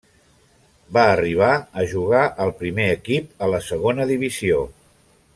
Va arribar a jugar al primer equip a la Segona Divisió.